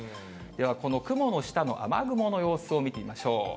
ではこの雲の下の雨雲の様子を見てみましょう。